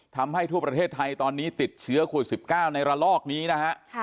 ทำให้ทั่วประเทศไทยตอนนี้ติดเชื้อโควิด๑๙ในระลอกนี้นะฮะ